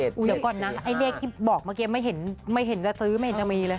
เดี๋ยวก่อนนะไอ้เลขที่บอกเมื่อกี้ไม่เห็นไม่เห็นจะซื้อไม่เห็นจะมีเลย